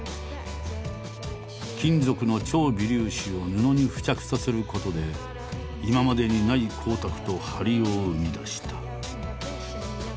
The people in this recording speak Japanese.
金属の超微粒子を布に付着させることで今までにない光沢と張りを生み出した。